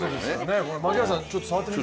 槙原さん、ちょっと触ってみて。